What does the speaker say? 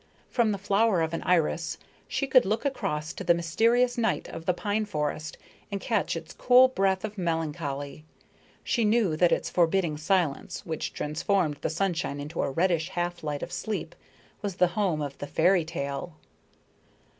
From the flower of an iris you could look across to the mysterious night of the pine forest and catch its cool breath of melancholy. You knew that its forbidding silence, which transformed the sunshine into a reddish half light of sleep, was the home of the fairy tale.